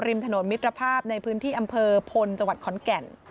ริมถนนมิตรภาพในพื้นที่อำเภอพลจขอนแก่น